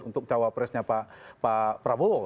untuk capresnya pak prabowo